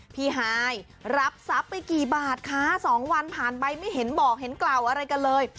ฮายรับทรัพย์ไปกี่บาทคะ๒วันผ่านไปไม่เห็นบอกเห็นกล่าวอะไรกันเลย